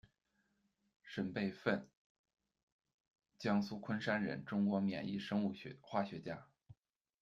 沈倍奋，江苏昆山人，中国免疫生物化学家。